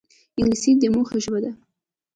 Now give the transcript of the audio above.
انګلیسي د موخې ژبه ده